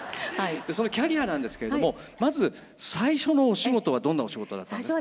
そのキャリアなんですけれどもまず最初のお仕事はどんなお仕事だったんですか。